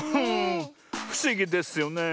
ふしぎですよね。